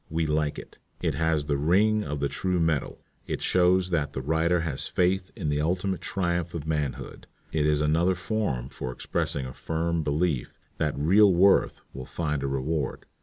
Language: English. We like it. It has the ring of the true metal. It shows that the writer has faith in the ultimate triumph of manhood. It is another form for expressing a firm belief that real worth will find a reward.